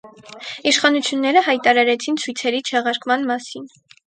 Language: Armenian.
Իշխանությունները հայտարարեցին ցույցերի չեղարկման մասին։